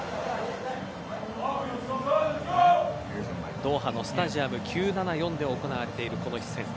ドーハのスタジアム９７４で行われているこの一戦。